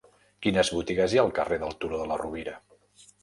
Quines botigues hi ha al carrer del Turó de la Rovira?